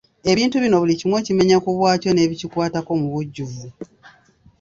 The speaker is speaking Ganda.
Ebintu bino buli kimu okimenya ku bwakyo n'ebikikwatako mu bujjuvu.